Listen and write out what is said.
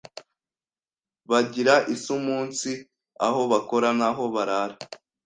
Bagire isuumunsi aho bakora n’aho barara